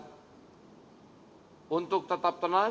kami mengimbau agar para pendukung dan pemilih prabowo gibran